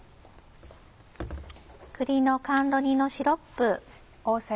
栗の甘露煮のシロップ。